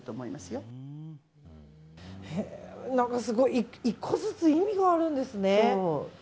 すごい、１個ずつ意味があるんですね。